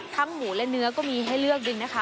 หมูและเนื้อก็มีให้เลือกดึงนะคะ